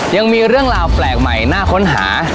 ยังมีเรื่องราวแปลกใหม่น่าค้นหา